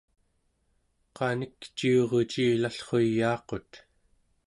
qanikciurucilallruyaaqut